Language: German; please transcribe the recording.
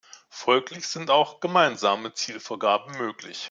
Folglich sind auch gemeinsame Zielvorgaben möglich.